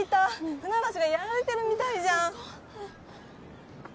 船橋がやられてるみたいじゃん。